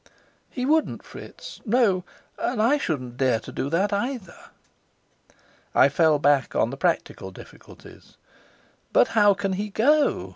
"He wouldn't, Fritz. No, and I shouldn't dare to do that, either." I fell back on the practical difficulties. "But how can he go?"